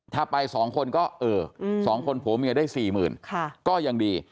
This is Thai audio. ถ้าไปสองคนก็สองคนผัวเมียได้สี่หมื่นก็ยังดี